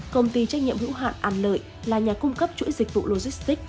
công ty trách nhiệm hữu hạn an lợi là nhà cung cấp chuỗi dịch vụ logistics